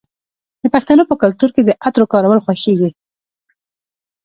د پښتنو په کلتور کې د عطرو کارول خوښیږي.